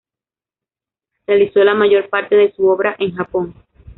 Realizó la mayor parte de su obra en Japón.